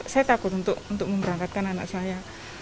saya takut untuk memberangkatkan anak saya